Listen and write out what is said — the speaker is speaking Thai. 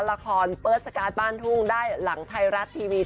ละครเปิดสการ์ดบ้านทุ่งได้หลังไทยรัฐทีวี